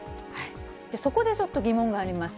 そこでちょっと、疑問があります。